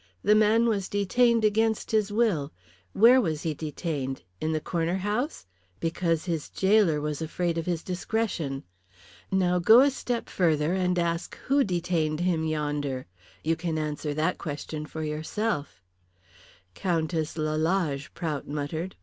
"The man was detained again his will. Where was he detained? In the Corner House? Because his gaoler was afraid of his discretion. Now go a step further and ask who detained him yonder. You can answer that question for yourself." "Countess Lalage," Prout muttered.